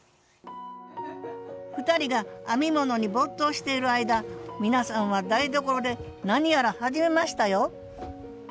２人が編み物に没頭している間皆さんは台所で何やら始めましたよ